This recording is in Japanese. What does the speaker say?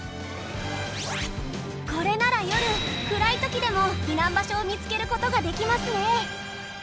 これなら夜暗い時でも避難場所を見つける事ができますね。